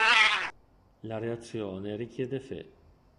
La reazione richiede Fe.